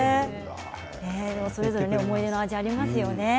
それぞれ思い出の味がありますね。